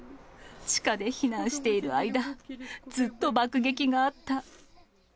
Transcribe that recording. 地下で避難している間、ずっと爆撃があった。